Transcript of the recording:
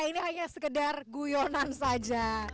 ini hanya sekedar guyonan saja